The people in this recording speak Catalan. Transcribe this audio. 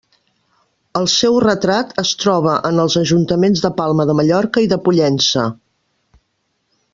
El seu retrat es troba en els ajuntaments de Palma de Mallorca i de Pollença.